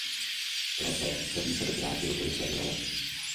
Proto se výsadek vrátil urychleně na loď.